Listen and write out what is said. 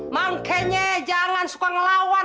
mangkenya jangan suka ngelawan